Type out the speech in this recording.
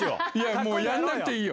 もうやんなくていいよ。